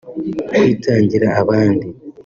kwitangira abandi